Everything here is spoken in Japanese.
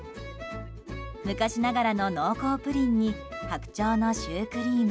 昔ながらの濃厚プリンに白鳥のシュークリーム。